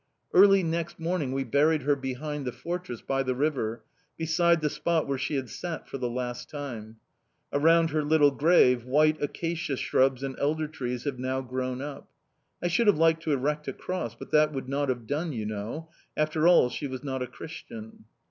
"Early next morning we buried her behind the fortress, by the river, beside the spot where she had sat for the last time. Around her little grave white acacia shrubs and elder trees have now grown up. I should have liked to erect a cross, but that would not have done, you know after all, she was not a Christian."